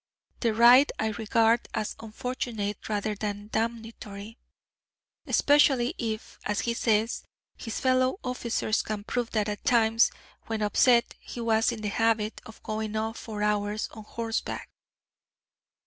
The ride I regard as unfortunate rather than damnatory, especially if, as he says, his fellow officers can prove that at times, when upset, he was in the habit of going off for hours on horseback."